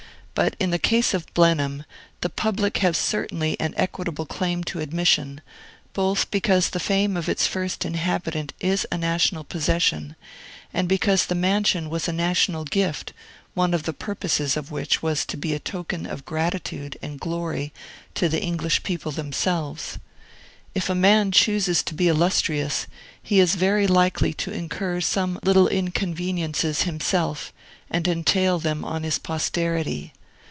But in the case of Blenheim, the public have certainly an equitable claim to admission, both because the fame of its first inhabitant is a national possession, and because the mansion was a national gift, one of the purposes of which was to be a token of gratitude and glory to the English people themselves. If a man chooses to be illustrious, he is very likely to incur some little inconveniences himself, and entail them on his posterity.